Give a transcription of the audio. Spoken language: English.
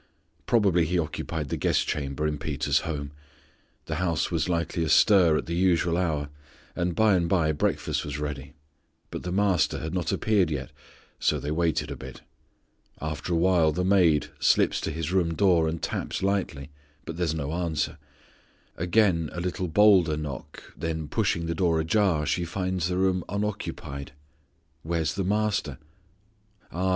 Probably He occupied the guest chamber in Peter's home. The house was likely astir at the usual hour, and by and by breakfast was ready, but the Master had not appeared yet, so they waited a bit. After a while the maid slips to His room door and taps lightly, but there's no answer; again a little bolder knock, then pushing the door ajar she finds the room unoccupied. Where's the Master? "Ah!"